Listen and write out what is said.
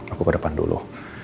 aku ke depan dulu